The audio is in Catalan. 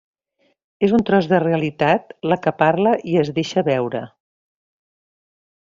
És un tros de realitat la que parla i es deixa veure.